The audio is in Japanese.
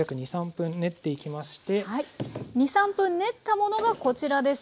２３分練ったものがこちらです。